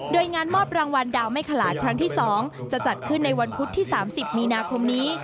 โดยงานมอบรางวัลดาวไม่ขลาดครั้งที่๒จะจัดขึ้นในวันพุธที่๓๐มีนาคมนี้